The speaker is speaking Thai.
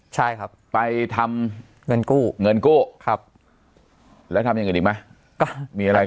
ใช่ครับไปทำเงินกู้เงินกู้ครับแล้วทำอย่างอื่นอีกไหมก็มีอะไร